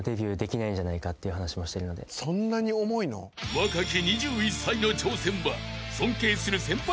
［若き２１歳の挑戦は尊敬する先輩